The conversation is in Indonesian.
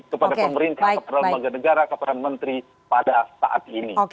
kepada pemerintah kepada lembaga negara kepada menteri pada saat ini